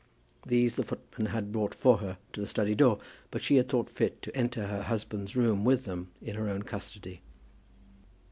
These the footman had brought for her to the study door, but she had thought fit to enter her husband's room with them in her own custody.